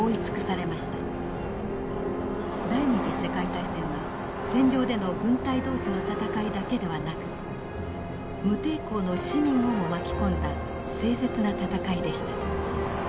第二次世界大戦は戦場での軍隊同士の戦いだけではなく無抵抗の市民をも巻き込んだ凄絶な戦いでした。